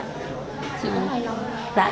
chị cũng hài lòng ạ